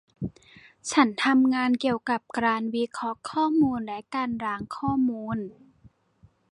ฉันทำงานเกี่ยวกับการวิเคราะห์ข้อมูลและการล้างข้อมูล